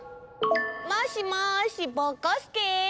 もしもしぼこすけ？